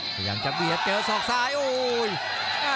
พยายามจะเบียดเจอศอกซ้ายโอ้ย